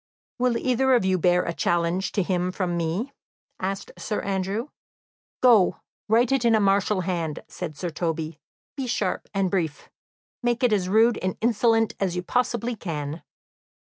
"Will either of you bear a challenge to him from me?" asked Sir Andrew. "Go, write it in a martial hand," said Sir Toby. "Be sharp and brief. Make it as rude and insolent as you possibly can."